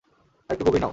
আরেকটু গভীর নাও।